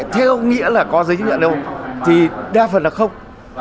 theo nghĩa là có giấy chứng nhận âu thì đa phần là không